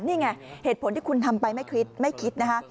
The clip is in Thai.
นี่ไงเหตุผลที่คุณทำไปไม่คิดไม่คิดนะคะ